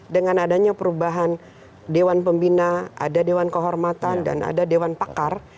dengan adanya perubahan dewan pembina ada dewan kehormatan dan ada dewan pakar